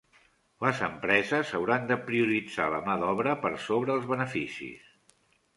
Les empreses hauran de prioritzar la mà d'obra per sobre els beneficis.